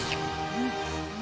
うん！